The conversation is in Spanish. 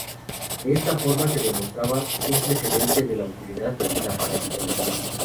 De esta forma se demostraba un precedente de la utilidad de la parasitología.